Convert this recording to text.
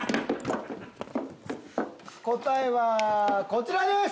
答えはこちらです！